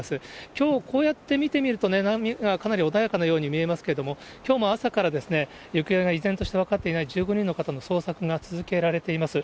きょう、こうやって見てみると、波がかなり穏やかなように見えますけども、きょうも朝から行方が依然として分かっていない１５人の方の捜索が続けられています。